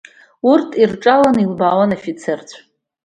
Урҭ ирҿаланы илбаауан афицарцәа.